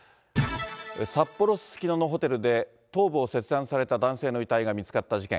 札幌・すすきののホテルで頭部を切断された男性の遺体が見つかった事件。